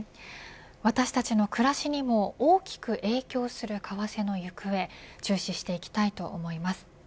私たちの暮らしにも大きく影響する為替の行方注視していきたいと思います。